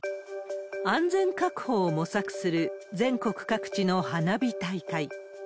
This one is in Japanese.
安全確保を模索する全国各地の花火大会。